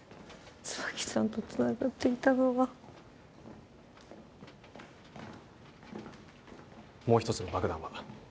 椿さんとつながっていたのはもう一つの爆弾は？